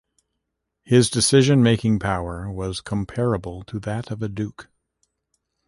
His decision-making power was comparable to that of a Duke.